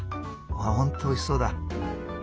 本当おいしそうだ。